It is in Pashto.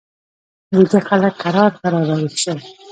ویده خلک کرار کرار را ویښ شول.